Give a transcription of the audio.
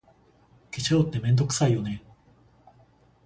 化粧って、めんどくさいよね。